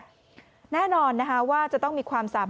อย่างนั้นน่าจะต้องมีความสามารถ